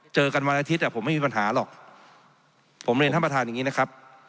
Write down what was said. เจอกันวันอาทิตย์ผมไม่มีปัญหาหรอกผมเรียนท่านประธานอย่างนี้นะครับ